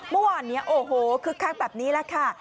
เมื่อวานนี้โอ้โหคึกคักแบบนี้แหละค่ะ